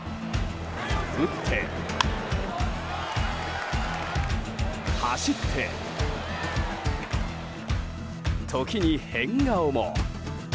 打って、走って、時に変顔も。